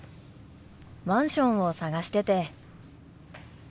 マンションを探してて。